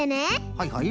はいはい。